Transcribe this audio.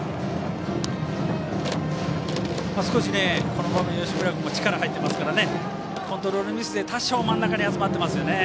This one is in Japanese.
この場面吉村君も力が入っていますからコントロールミスで多少真ん中に集まっていますね。